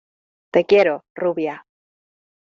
te quiero, rubia.